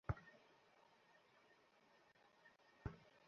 Buffer গুদাম থাকলে খোলা আকাশের নিচে এভাবে সার ফেলে রাখতে হতো না।